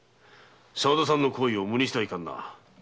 沢田さんの好意を無にしてはいかんな。